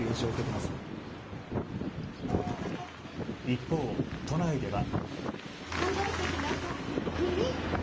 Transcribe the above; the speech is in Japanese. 一方、都内では。